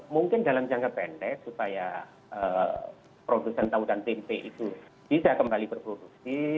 mungkin dalam jangka pendek supaya produsen tautan tmp itu bisa kembali berproduksi